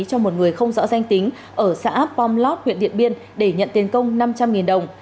cho một người không rõ danh tính ở xã pomlot huyện điện biên để nhận tiền công năm trăm linh đồng